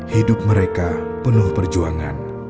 hidup mereka penuh perjuangan